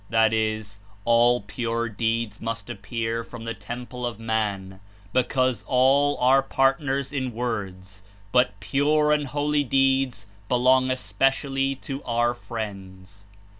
That is — all pure deeds must appear from the temple of man, because all are part ners in tiords, but pure and holy deeds belong^ espe cially to Our friends.